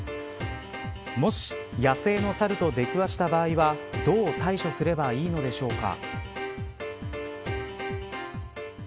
もし、野生のサルと出くわした場合はどう対処すればいいのでしょうか。